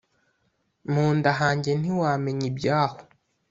munda hanjye ntiwamenya ibyaho